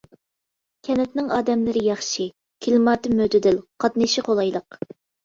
كەنتنىڭ ئادەملىرى ياخشى، كىلىماتى مۆتىدىل، قاتنىشى قولايلىق.